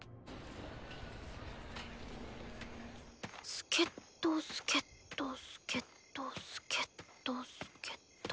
助っ人助っ人助っ人助っ人助っ人。